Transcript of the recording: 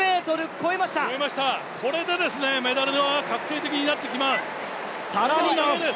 越えました、これでメダルが確定的になってきます。